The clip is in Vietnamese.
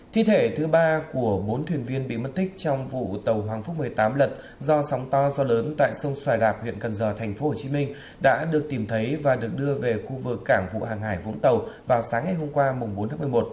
thi thể thứ ba của bốn thuyền viên bị mất tích trong vụ tàu hoàng phúc một mươi tám lật do sóng to do lớn tại sông xoài rạp huyện cần giờ tp hcm đã được tìm thấy và được đưa về khu vực cảng vụ hàng hải vũng tàu vào sáng ngày hôm qua bốn tháng một mươi một